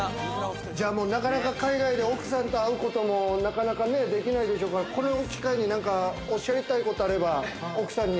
なかなか海外で奥さんに会うこともなかなかできないでしょうから、この機会を、何かおっしゃりたいことあれば、奥さんに。